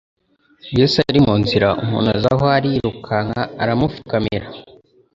Yesu ari mu nzira, umuntu aza aho ari yirukanka, aramupfukamira,